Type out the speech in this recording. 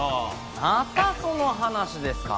またその話ですか。